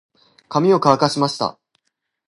髪を乾かしました。